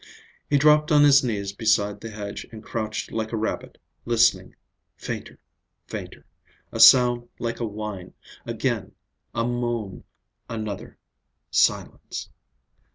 He dropped on his knees beside the hedge and crouched like a rabbit, listening; fainter, fainter; a sound like a whine; again—a moan—another—silence.